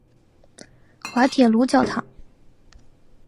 滑铁卢教堂。